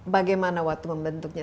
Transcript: bagaimana waktu membentuknya